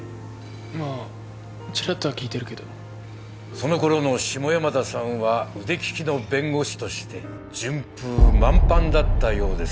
まあチラッとは聞いてるけどその頃の下山田さんは腕利きの弁護士として順風満帆だったようです